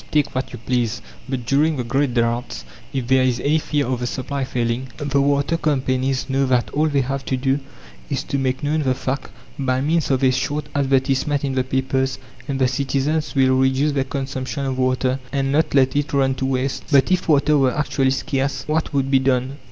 Take what you please! But during the great droughts, if there is any fear of the supply failing, the water companies know that all they have to do is to make known the fact, by means of a short advertisement in the papers, and the citizens will reduce their consumption of water and not let it run to waste. But if water were actually scarce, what would be done?